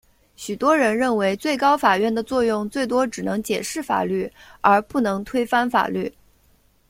许多人认为最高法院的作用最多只能解释法律而不能推翻法律。